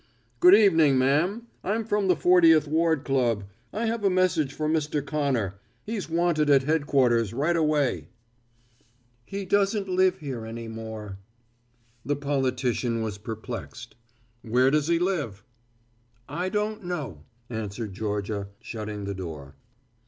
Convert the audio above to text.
"Good evening, ma'am, I'm from the Fortieth Ward Club. I have a message for Mr. Connor. He's wanted at headquarters right away." "He doesn't live here any more." [Illustration: "He doesn't live here any more."] The politician was perplexed. "Where does he live?" "I don't know," answered Georgia, shutting the door.